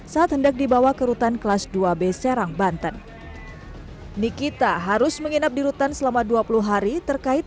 saat hendak dibawa ke rutan kelas dua b serang banten nikita harus menginap di rutan selama dua puluh hari terkait